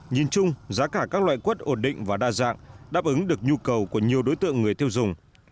nhìn chung giá cả các loại quất ổn định và đa dạng đáp ứng được nhu cầu của nhiều đối tượng người tiêu dùng